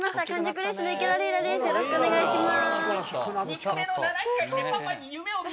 よろしくお願いします。